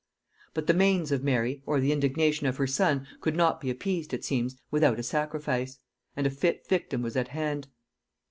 But the manes of Mary, or the indignation of her son, could not be appeased, it seems, without a sacrifice; and a fit victim was at hand.